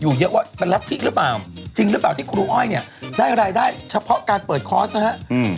เยอะว่าเป็นรัฐธิหรือเปล่าจริงหรือเปล่าที่ครูอ้อยเนี่ยได้รายได้เฉพาะการเปิดคอร์สนะฮะอืม